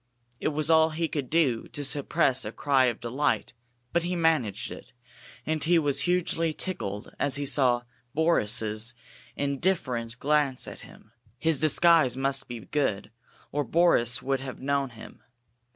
It was all he could do to suppress a cry of delight, but he managed it, and he was hugely tickled as he saw Boris's indifferent glance at him. His disguise must be good, or Boris would have known him.